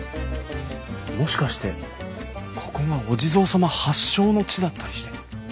もしかしてここがお地蔵様発祥の地だったりして。